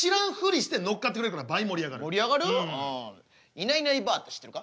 いないいないばあって知ってるか？